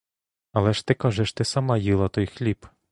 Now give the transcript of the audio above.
Але ж, ти кажеш, ти сама їла той хліб?